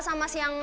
sama si yang